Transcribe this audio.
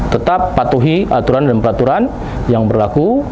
tetap patuhi aturan dan peraturan yang berlaku